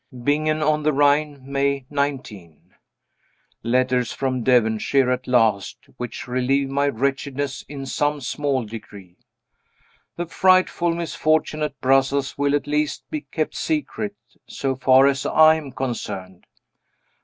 Bingen, on the Rhine, May 19. Letters from Devonshire at last, which relieve my wretchedness in some small degree. The frightful misfortune at Brussels will at least be kept secret, so far as I am concerned.